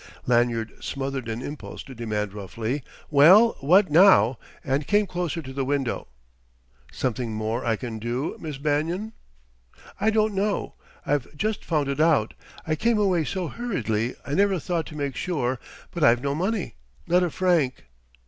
Lanyard smothered an impulse to demand roughly "Well, what now?" and came closer to the window. "Something more I can do, Miss Bannon?" "I don't know.... I've just found it out I came away so hurriedly I never thought to make sure; but I've no money not a franc!"